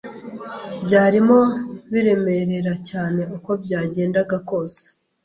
byarimo biremerera cyane uko byagenda kose